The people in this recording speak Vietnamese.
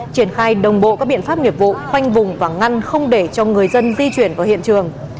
triển khai đồng bộ các biện pháp nghiệp vụ khoanh vùng và ngăn không để cho người dân di chuyển khỏi hiện trường